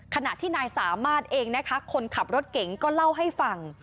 ขณะที่นายสามารถเองนะคะคนขับรถเก๋งก็เล่าให้ฟัง